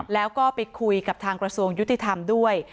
แล้วก็ไปคุยกับทางกระทรวงยุติธรรมด้วย